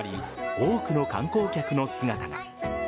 多くの観光客の姿が。